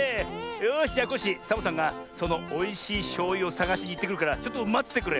よしじゃコッシーサボさんがそのおいしいしょうゆをさがしにいってくるからちょっとまっててくれ。